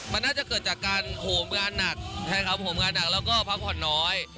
มันน่าจะเกิดจากการโหมงานหนักนะครับผมงานหนักแล้วก็พักผ่อนน้อย